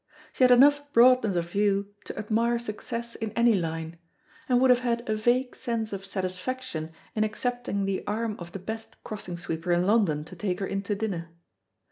She had enough broadness of view to admire success in any line, and would have had a vague sense of satisfaction in accepting the arm of; the best crossing sweeper in London to take her in to dinner.